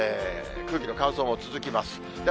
空気の乾燥も続きます。